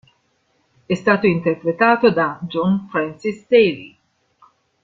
È stato interpretato da John Francis Daley.